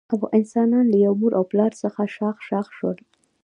انسانان له یوه مور او پلار څخه شاخ شاخ شول.